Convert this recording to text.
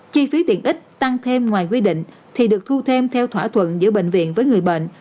chi phí tiện ích tăng thêm ngoài quy định thì được thu thêm theo thỏa thuận giữa bệnh viện với người bệnh